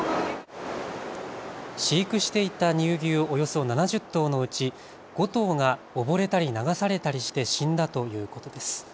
飼育していた乳牛およそ７０頭のうち５頭が溺れたり流されたりして死んだということです。